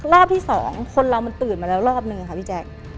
รอบที่สองคนเรามันตื่นมาแล้วรอบนึงค่ะพี่แจ๊ค